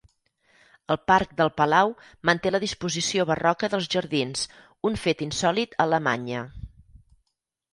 El parc del Palau manté la disposició barroca dels jardins, un fet insòlit a Alemanya.